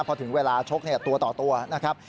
พอถึงเวลาชกตัวต่อตัวนะครับ